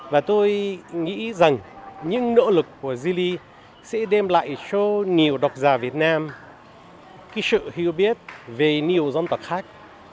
và tôi nghĩ rằng những nỗ lực của zili sẽ đem lại cho nhiều độc giả việt nam sự hiểu biết về nhiều dân tộc khác